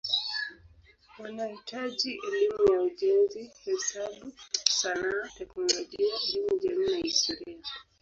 Wanahitaji elimu ya ujenzi, hesabu, sanaa, teknolojia, elimu jamii na historia.